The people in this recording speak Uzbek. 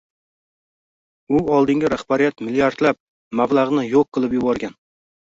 U oldingi rahbariyat milliardlab mablagʻni yoʻq qilib yuborgan.